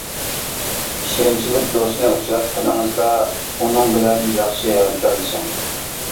ئىشەنچلىك دوستنى ئۇچراتقىنىڭىزدا، ئۇنىڭ بىلەن ياخشى ھەمكارلىشىڭ.